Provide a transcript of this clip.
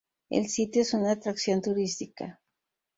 El sitio es una atracción turística.